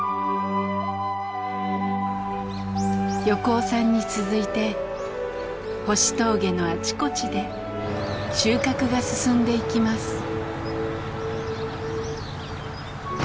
横尾さんに続いて星峠のあちこちで収穫が進んでいきます。